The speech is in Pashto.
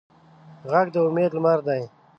غږ د امید لمر دی